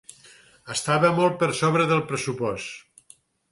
Estava molt per sobre del pressupost.